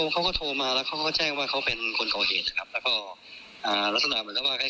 เขาก็โทรมาแล้วเขาก็แจ้งว่าเขาเป็นคนก่อเหตุนะครับแล้วก็อ่าลักษณะเหมือนกับว่า